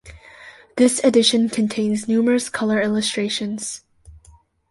This edition contains numerous color illustrations.